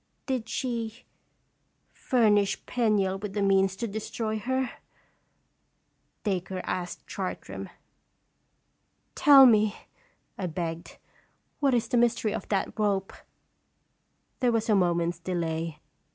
" Did she fur nish Penniel with the means to destroy her?" Dacre asked Chartram. " Tell me," I begged, " what is the mystery of that rope?" There was a moment's delay.